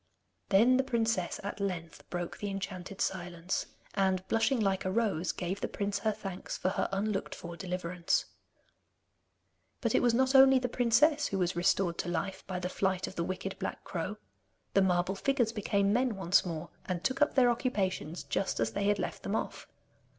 Then the princess at length broke the enchanted silence, and blushing like a rose, gave the prince her thanks for her unlooked for deliverance. But it was not only the princess who was restored to life by the flight of the wicked black crow. The marble figures became men once more, and took up their occupations just as they had left them off.